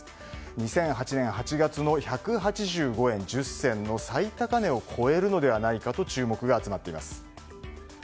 ２００８年８月の１８５円１０銭の最高値を超えるのではないかと注目が集まっています。